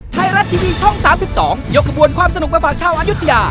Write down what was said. ไทยรัฐทีวีช่อง๓๒ยกขบวนความสนุกมาฝากชาวอายุทยา